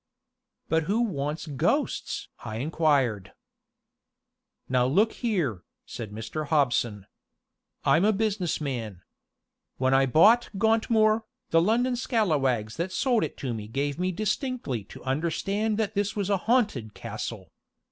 "But who wants ghosts?" I inquired. "Now look here," said Mr. Hobson. "I'm a business man. When I bought Gauntmoor, the London scalawags that sold it to me gave me distinctly to understand that this was a Haunted Castle.